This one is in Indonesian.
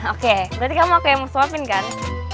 oke berarti kamu aku yang mau suapin kan